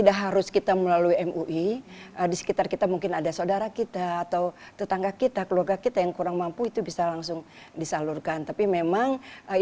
dan bersama kami indonesia forward masih akan kembali sesaat lagi